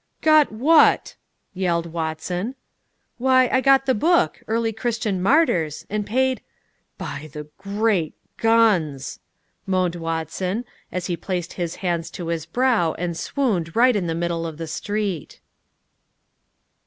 "Got what?" yelled Watson. "Why, I got the book, 'Early Christian Martyrs,' and paid " "By the great guns!" moaned Watson, as he placed his hands to his brow and swooned right in the middle of the street.